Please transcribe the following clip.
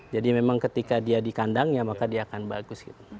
jadi memang ketika dia dikandang ya maka dia akan bagus